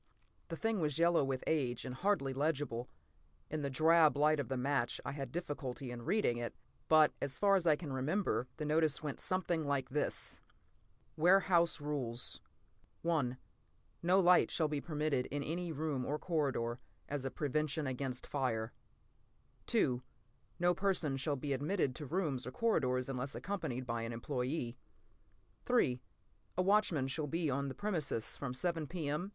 The thing was yellow with age and hardly legible. In the drab light of the match I had difficulty in reading it—but, as far as I can remember, the notice went something like this:WAREHOUSE RULES No light shall be permitted in any room or corridor, as a prevention against fire. No person shall be admitted to rooms or corridors unless accompanied by an employee. A watchman shall be on the premises from 7 P.M.